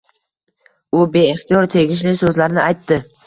U beixtiyor tegishli so`zlarni aytdi